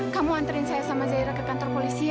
kamu anterin saya sama zahira ke kantor polisi ya